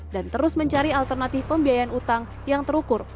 dan terus mencari alternatif pembiayaan utang yang terukur